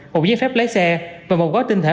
một giấy phép lái xe và một gói tinh thể